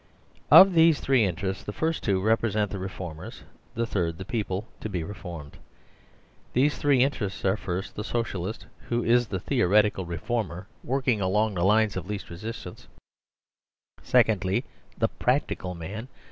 Of these three interests the first two represent the Reformers the third the people to be Reformed. These three interests are, first, the Socialist, who is the theoretical reformer working along the line of least resistance; secondly, the " Practical Man?